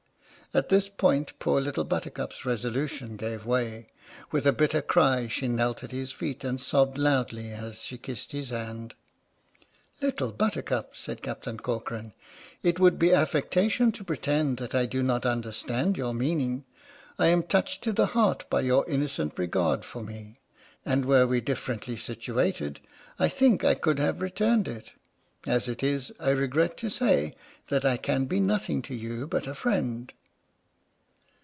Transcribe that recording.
" At this point poor Little Buttercup's resolution gave way. With a bitter cry she knelt at his feet, and sobbed loudly as she kissed his hand. " Little Buttercup," said Captain Corcoran, " it would be affectation to pretend that I do not under 80 / LITTLE BUTTERCUP AND THE CAPTAIN M H.M.S. "PINAFORE' stand your meaning. I am touched to the heart by your innocent regard for me, and were we differ ently situated, I think I could have returned it. As it is, I regret to say that I can be nothing to you but a friend."